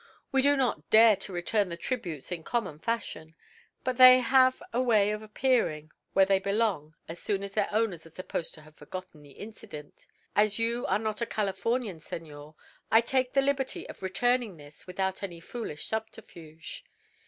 We do not dare to return the tributes in common fashion, but they have a way of appearing where they belong as soon as their owners are supposed to have forgotten the incident. As you are not a Californian, senor, I take the liberty of returning this without any foolish subterfuge."